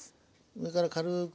上から軽く。